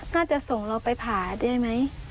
จะส่งเราไปผ่าได้ไหม